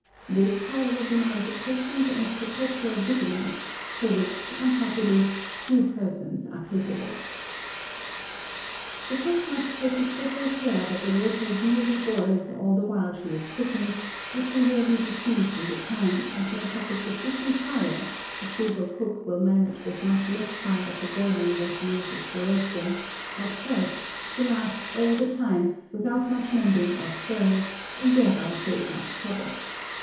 This, however, demands a patient and perpetual vigilance, of which, unhappily, few persons are capable. The cook must take especial care that the water really boils all the while she is cooking, or she will be deceived in the time; and make up a sufficient fire (a frugal cook will manage with much less fire for boiling than she uses for roasting) at first, to last all the time, without much mending or stirring, and thereby save much trouble.